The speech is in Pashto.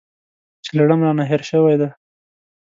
چې لړم رانه هېر شوی دی .